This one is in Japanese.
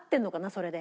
それで。